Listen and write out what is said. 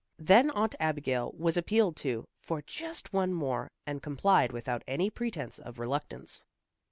Then Aunt Abigail was appealed to, for just one more, and complied without any pretence of reluctance.